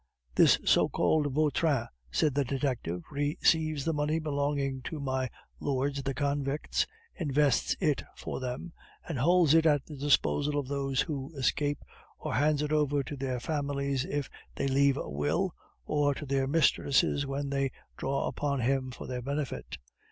"This so called Vautrin," said the detective, "receives the money belonging to my lords the convicts, invests it for them, and holds it at the disposal of those who escape, or hands it over to their families if they leave a will, or to their mistresses when they draw upon him for their benefit."